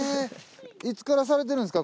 いつからされてるんですか？